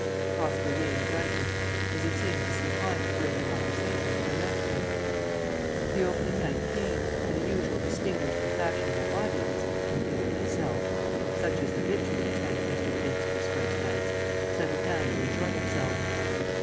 Prosper Vane grunted. As he seemed disinclined for further conversation I left him. ..... The opening night came, and the usual distinguished and fashionable audience (including myself), such as habitually attends Mr. Levinski's first nights, settled down to enjoy itself.